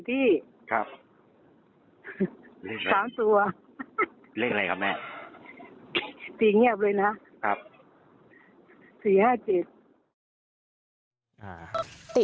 ตี่ห้าเจ็ด